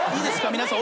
皆さん。